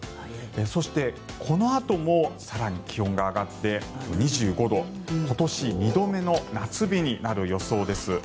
そしてこのあとも更に気温が上がって２５度今年２度目の夏日になる予想です。